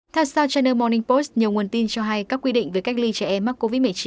theo sao chaner morning post nhiều nguồn tin cho hay các quy định về cách ly trẻ em mắc covid một mươi chín